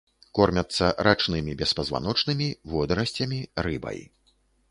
Кормяцца рачнымі беспазваночнымі, водарасцямі, рыбай.